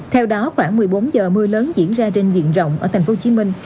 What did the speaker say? theo đó khoảng một mươi bốn giờ mưa lớn diễn ra trên diện rộng ở tp hcm